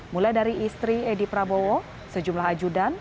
mulai dari istri edy prabowo sejumlah ajudan